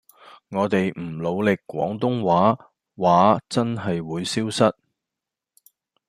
我地唔努力廣東話話真係會消失